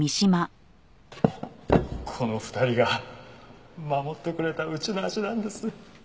この２人が守ってくれたうちの味なんです。